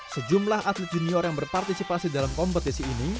sejumlah atlet junior yang berpartisipasi dalam kompetisi ini